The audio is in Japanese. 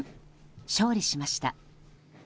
勝利しました。